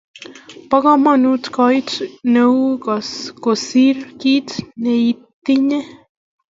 bo komonut kiit neiu kosiir kiit neitinye